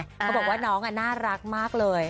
เขาบอกว่าน้องน่ารักมากเลย